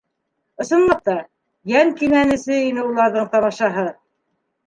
Ысынлап та, йән кинәнесе ине уларҙың тамашаһы.